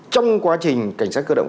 trong quá trình cảnh sát cơ động